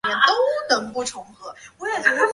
弄错蛮多东西的